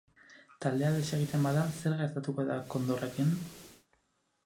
Taldea desegiten bada, zer gertatuko da kondorrekin?